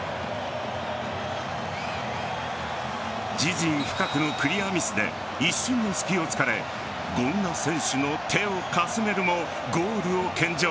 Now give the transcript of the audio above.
自陣深くのクリアミスで一瞬の隙を突かれ権田選手の手をかすめるもゴールを献上。